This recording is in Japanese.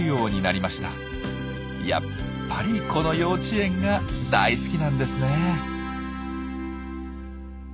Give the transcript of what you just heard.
やっぱりこの幼稚園が大好きなんですねー。